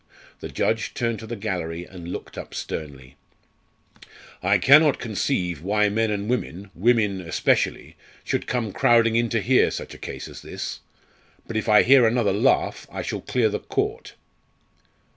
The judge turned to the gallery and looked up sternly "I cannot conceive why men and women women especially should come crowding in to hear such a case as this; but if I hear another laugh I shall clear the court."